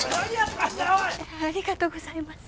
ありがとうございます。